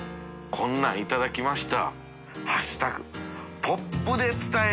こんなのいただきました。